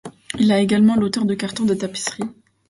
Il est également l'auteur de cartons de tapisseries.